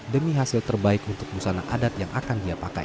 demi hasil terbaik untuk busana adat yang akan dia pakai